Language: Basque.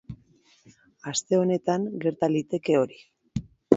Aste honetan gerta liteke hori.